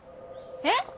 えっ！？